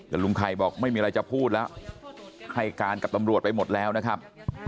แต่ลุงไข่บอกไม่มีอะไรจะพูดแล้วให้การกับตำรวจไปหมดแล้วนะครับ